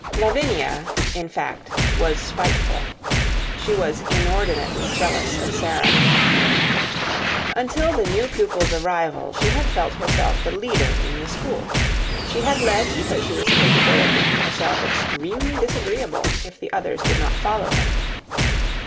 Lavinia, in fact, was spiteful. She was inordinately jealous of Sara. Until the new pupil's arrival, she had felt herself the leader in the school. She had led because she was capable of making herself extremely disagreeable if the others did not follow her.